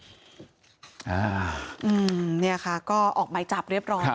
เนี่ยค่ะก็ออกหมายจับเรียบร้อย